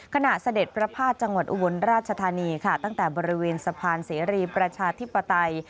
เสด็จประพาทจังหวัดอุบลราชธานีค่ะตั้งแต่บริเวณสะพานเสรีประชาธิปไตย